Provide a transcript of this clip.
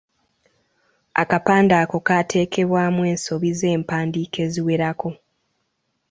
Akapande ako kaateekebwamu ensobi z’empandiika eziwerako.